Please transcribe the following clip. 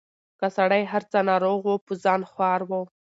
که سړی هر څه ناروغ وو په ځان خوار وو